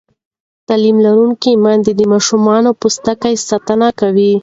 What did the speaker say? تعلیم لرونکې میندې د ماشومانو د پوستکي ساتنه کوي.